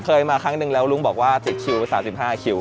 เคยมาครั้งนึงแล้วลุงบอกว่า๑๐เคลเป็น๓๕เคล